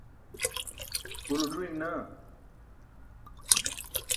ulo ẓuyin naa